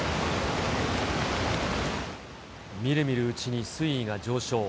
みるみるうちに水位が上昇。